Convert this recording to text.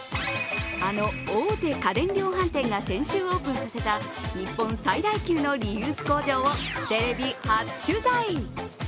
あの大手家電量販店が先週オープンさせた日本最大級のリユース工場をテレビ初取材。